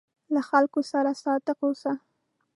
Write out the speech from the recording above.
له خلکو سره صادق اوسه.